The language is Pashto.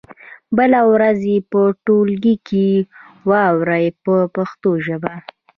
بله ورځ یې په ټولګي کې واورئ په پښتو ژبه.